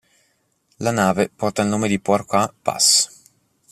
La nave porta il nome di "Pourquoi Pas?